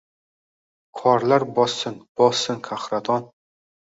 Qorlar bossin, bossin qahraton.